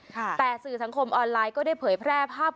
แต่สื่อสังคมออนไลน์ก็ได้เผยแพร่ภาพ